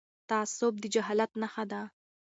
تعصب د جهالت نښه ده..